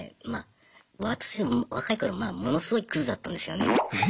私若い頃ものすごいクズだったんですよね。